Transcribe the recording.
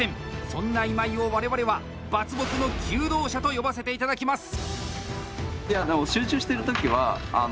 そんな今井を我々は伐木の求道者と呼ばせていただきます！